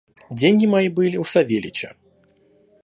Деньги мои были у Савельича.